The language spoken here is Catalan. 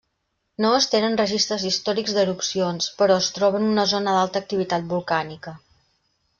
No es tenen registres històrics d'erupcions, però es troba en una zona d'alta activitat volcànica.